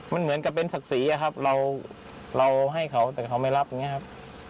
มันเหมือนกับเป็นศักดิ์ศรีอะครับเราให้เขาแต่เขาไม่รับอย่างนี้ครับ